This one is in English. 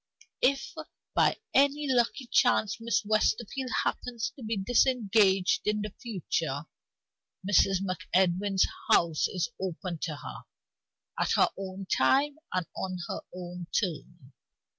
If, by any lucky chance, Miss Westerfield happens to be disengaged in the future, Mrs. MacEdwin's house is open to her at her own time, and on her own terms.